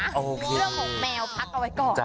เรื่องของแมวพักเอาไว้ก่อน